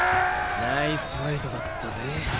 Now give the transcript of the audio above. ナイスファイトだったぜ。